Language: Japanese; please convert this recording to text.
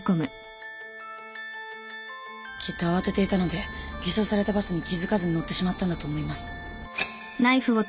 きっと慌てていたので偽装されたバスに気付かずに乗ってしまったんだと思います。